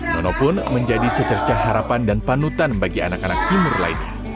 nono pun menjadi secerca harapan dan panutan bagi anak anak timur lainnya